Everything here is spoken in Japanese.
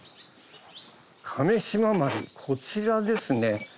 亀島丸こちらですね。